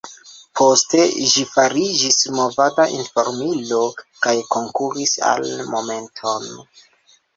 Poste ĝi fariĝis movada informilo kaj konkuris al Momenton.